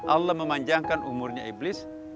allah memanjangkan umurnya iblis